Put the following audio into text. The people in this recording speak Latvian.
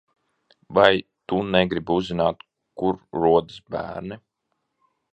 Vai tu negribi uzzināt, kur rodas bērni?